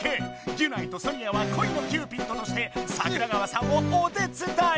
ギュナイとソニアはこいのキューピッドとして桜川さんをお手つだい！